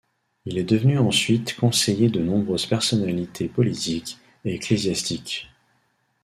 Il est devenu ensuite conseiller de nombreuses personnalités politiques et ecclésiastiques.